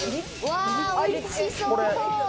おいしそう。